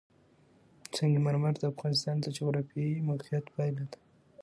سنگ مرمر د افغانستان د جغرافیایي موقیعت پایله ده.